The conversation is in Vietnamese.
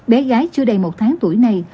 bé gái chưa đầy một tháng tuổi này